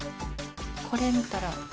これ見たら。